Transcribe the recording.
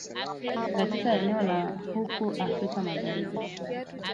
katika eneo la huko Afrika magharibi